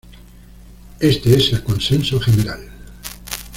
Este es el consenso general.